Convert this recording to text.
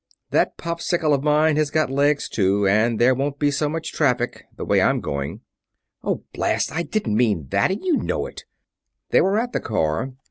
That popcycle of mine has got legs, too, and there won't be so much traffic, the way I'm going." "Oh, blast! I didn't mean that, and you know it!" They were at the car.